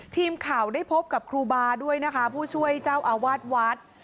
ทีมข่าวได้พบกับครูบาด้วยนะคะผู้ช่วยเจ้าอาวาสวัด